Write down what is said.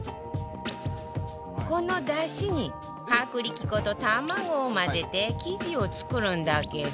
この出汁に薄力粉と卵を混ぜて生地を作るんだけど